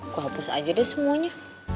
kok hapus aja deh semuanya